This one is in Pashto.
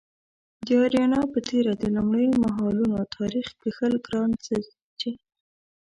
د اریانا په تیره د لومړیو مهالونو تاریخ کښل ګران څه چې